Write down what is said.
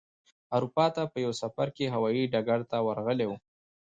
اروپا ته په یوه سفر کې هوايي ډګر ته ورغلی و.